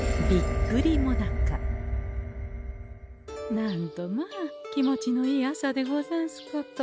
なんとまあ気持ちのいい朝でござんすこと。